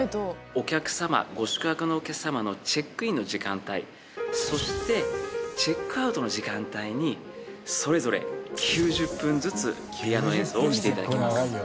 お客様ご宿泊のお客様のチェックインの時間帯そしてチェックアウトの時間帯にそれぞれ９０分ずつピアノ演奏をして頂きます。